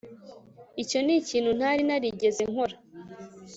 Icyo nikintu ntari narigeze nkora